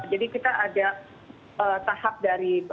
jadi kita ada tahap dari